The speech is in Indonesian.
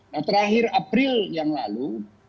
nah terakhir april yang lalu